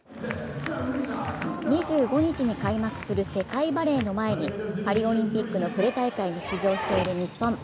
２５日に開幕する世界バレーの前にパリオリンピックのプレ大会に出場している日本。